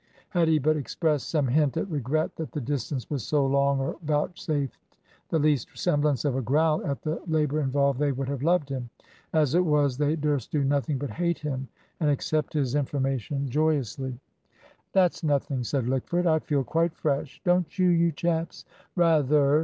Had he but expressed some hint at regret that the distance was so long, or vouchsafed the least semblance of a growl at the labour involved, they would have loved him. As it was, they durst do nothing but hate him, and accept his information joyously. "That's nothing," said Lickford. "I feel quite fresh; don't you, you chaps?" "Rather!"